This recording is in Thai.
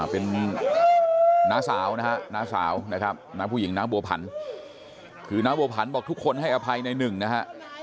เป็นน้าสาวนะฮะน้าสาวนะครับน้าผู้หญิงน้าบัวผันคือน้าบัวผันบอกทุกคนให้อภัยในหนึ่งนะฮะ